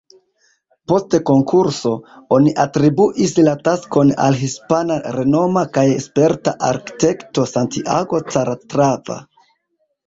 Post konkurso, oni atribuis la taskon al hispana renoma kaj sperta arkitekto Santiago Calatrava.